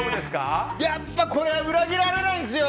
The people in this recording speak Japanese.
やっぱりこれは裏切られないんですよ！